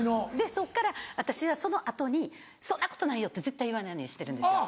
そっから私はその後に「そんなことないよ」って絶対言わないようにしてるんですよ。